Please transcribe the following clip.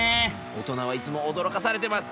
大人はいつもおどろかされてます。